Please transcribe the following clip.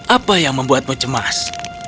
apa yang membuatmu cemas